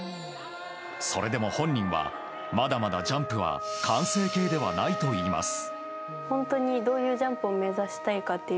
それでも本人はまだまだジャンプは完成形ではないと言います。